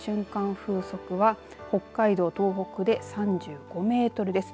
風速は北海道、東北で３５メートルです。